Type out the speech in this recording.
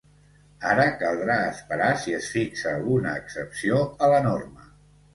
Ara caldrà esperar si es fixa alguna excepció a la norma.